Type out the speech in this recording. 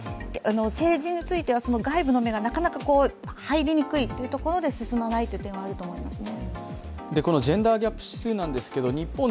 政治については外部の目がなかなか入りにくいというところで進みにくいと思いますね。